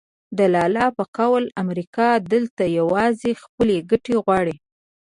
د لالا په قول امریکا دلته یوازې خپلې ګټې غواړي.